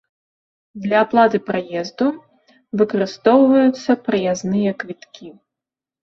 Для аплаты праезду выкарыстоўваюцца праязныя квіткі.